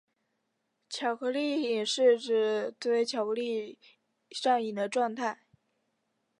巧克力瘾是指对巧克力上瘾的状态。